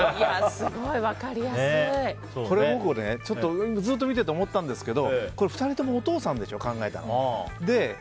これ、僕ずっと見てて思ったんですけど２人ともお父さんでしょ考えたの。